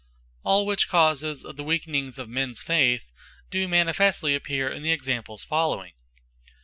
All which causes of the weakening of mens faith, do manifestly appear in the Examples following.